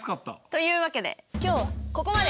というわけで今日はここまで！